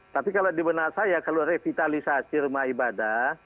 tapi kalau di benak saya kalau revitalisasi rumah ibadah